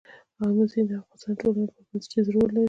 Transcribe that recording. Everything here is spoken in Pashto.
آمو سیند د افغانستان د ټولنې لپاره بنسټيز رول لري.